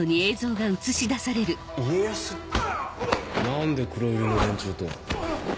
何で黒百合の連中と。